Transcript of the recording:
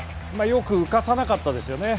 よく浮かさなかったですね。